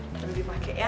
nanti b pake ya